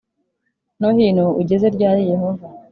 No hino ugeze ryari yehova